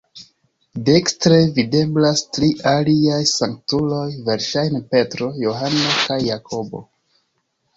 Dekstre videblas tri aliaj sanktuloj, verŝajne Petro, Johano kaj Jakobo.